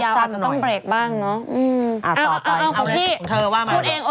เอาของพี่พูดเอง